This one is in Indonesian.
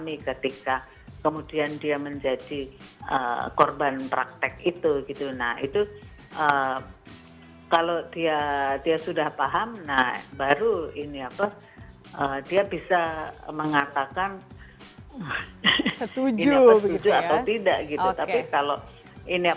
itu dendanya besar sekali